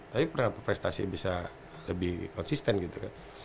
tapi kenapa prestasi bisa lebih konsisten gitu kan